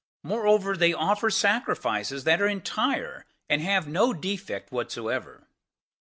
26 Moreover, they offer sacrifices that are entire, and have no defect whatsoever.